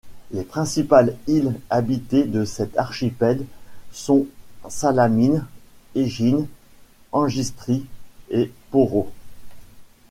Les principales îles habitées de cet archipel sont Salamine, Égine, Angistri et Poros.